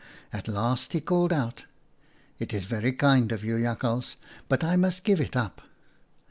At last he called out :"' It's very kind of you, Jakhals, but I must give it up.'